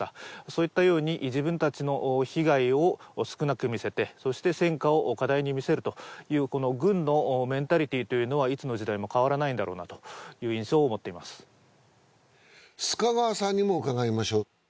そういったように自分たちの被害を少なく見せてそして戦果を過大に見せるという軍のメンタリティーというのはいつの時代も変わらないんだろうなという印象を持っています須賀川さんにも伺いましょう